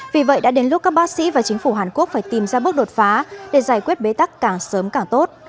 vì vậy đã đến lúc các bác sĩ và chính phủ hàn quốc phải tìm ra bước đột phá để giải quyết bế tắc càng sớm càng tốt